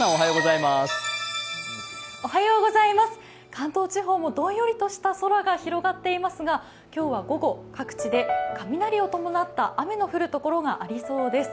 関東地方もどんよりとした空が広がっていますが今日は午後、各地で雷を伴った雨の降るところがありそうです。